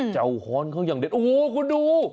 เจ้าฮ้อนเขาอย่างเด็ดโอ้โหคุณดู